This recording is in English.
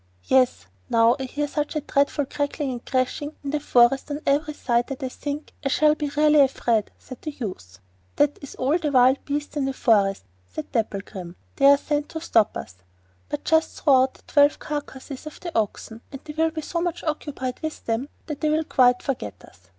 'Yes; now I hear such a dreadful crackling and crashing in the forest on every side that I think I shall be really afraid,' said the youth. 'That is all the wild beasts in the forest,' said Dapplegrim; 'they are sent out to stop us. But just throw out the twelve carcasses of the oxen, and they will be so much occupied with them that they will quite forget us.